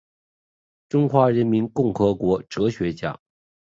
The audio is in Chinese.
中华人民共和国哲学家。